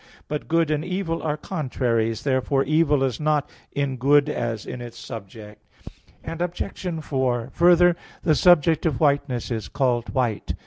But good and evil are contraries. Therefore, evil is not in good as in its subject. Obj. 4: Further, the subject of whiteness is called white.